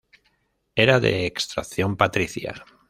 Era de extracción patricia.